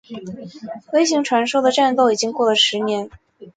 微型传说的战斗已经过了十年。